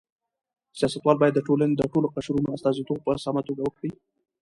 سیاستوال باید د ټولنې د ټولو قشرونو استازیتوب په سمه توګه وکړي.